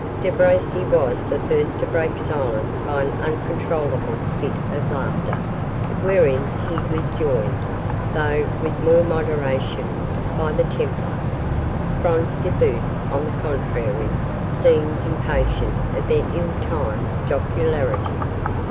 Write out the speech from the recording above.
De Bracy was the first to break silence by an uncontrollable fit of laughter, wherein he was joined, though with more moderation, by the Templar. Front de Bœuf, on the contrary, seemed impatient of their ill timed jocularity.